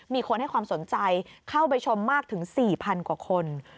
มีคนให้ความสนใจเข้าไปชมมากถึง๔๐๐๐กว่าคน